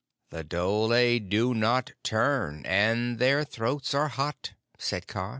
"The dhole do not turn and their throats are hot," said Kaa.